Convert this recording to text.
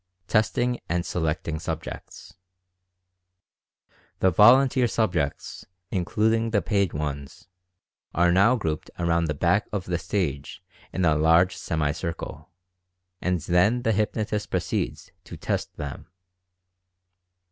TESTING AND SELECTING SUBJECTS. The volunteer subjects (including the paid ones) are now grouped around the back of the stage in a large semi circle. And then the hypnotist proceeds to "test" them.